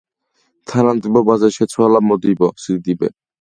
თანამდებობაზე შეცვალა მოდიბო სიდიბე.